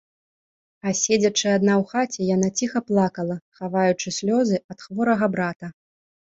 А седзячы адна ў хаце, яна ціха плакала, хаваючы слёзы ад хворага брата.